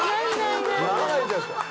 ならないんじゃないですか？